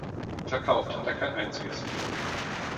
Verkauft hat er kein einziges.